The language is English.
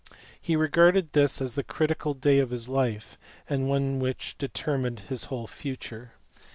He regarded this as the critical day of his life, and one which determined his whole future.